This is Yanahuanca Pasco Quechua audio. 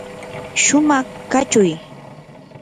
shumaq kachuy.